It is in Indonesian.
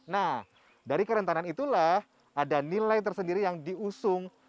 nah dari kerentanan itulah ada nilai tersendiri yang diusung